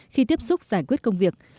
khi tiếp xúc giải quyết công việc